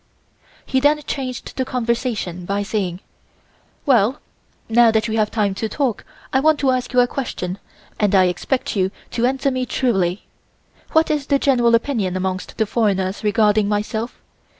He then changed the conversation by saying: "Well, now that we have time to talk I want to ask you a question and I expect you to answer me truly. What is the general opinion amongst the foreigners regarding myself?